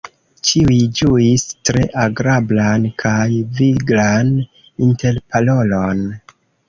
Ĉiuj ĝuis tre agrablan kaj viglan interparolon.